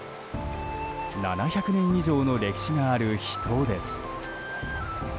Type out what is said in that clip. ７００年以上の歴史がある秘湯です。